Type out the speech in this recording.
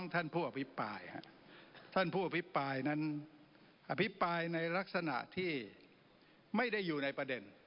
ท่านผู้อภิปรายนั้นอภิปรายในลักษณะที่ไม่ได้อยู่ในประเด็น